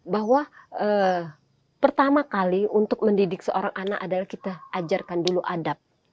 bahwa pertama kali untuk mendidik seorang anak adalah kita ajarkan dulu adab